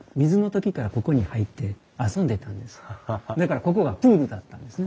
だからここはプールだったんですね。